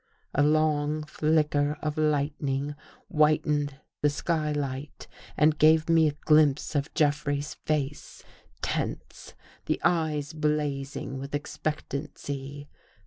A long flicker of lightning whitened the sky light and gave me a glimpse of Jeffrey's face — tense, the eyes blazing with expectancy.